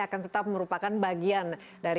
akan tetap merupakan bagian dari